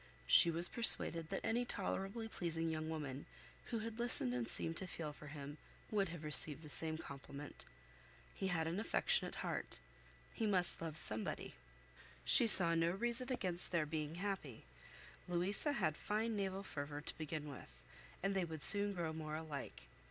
She was persuaded that any tolerably pleasing young woman who had listened and seemed to feel for him would have received the same compliment. He had an affectionate heart. He must love somebody. She saw no reason against their being happy. Louisa had fine naval fervour to begin with, and they would soon grow more alike.